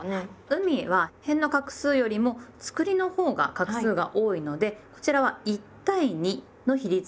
海はへんの画数よりもつくりのほうが画数が多いのでこちらは１対２の比率がベストです。